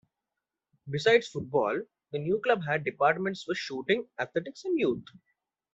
Besides football, the new club had departments for shooting, athletics, and youth.